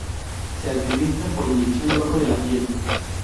Se administra por inyección debajo de la piel.